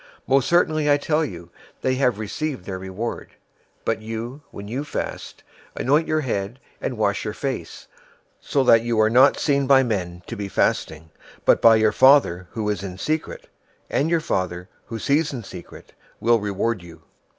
Most certainly I tell you, they have received their reward. 006:017 But you, when you fast, anoint your head, and wash your face; 006:018 so that you are not seen by men to be fasting, but by your Father who is in secret, and your Father, who sees in secret, will reward you.